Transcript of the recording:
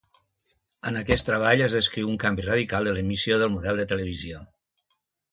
En aquest treball es descriu un canvi radical de l'emissió del model de televisió.